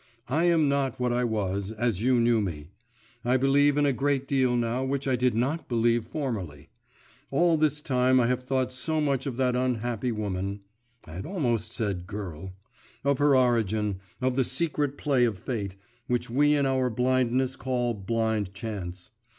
I am not what I was, as you knew me; I believe in a great deal now which I did not believe formerly. All this time I have thought so much of that unhappy woman (I had almost said, girl), of her origin, of the secret play of fate, which we in our blindness call blind chance.